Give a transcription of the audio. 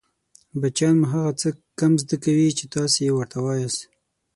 بچیان مو هغه څه کم زده کوي چې تاسې يې ورته وایاست